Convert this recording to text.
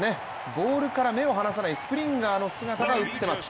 ボールから目を離さないスプリンガーの姿が映っています。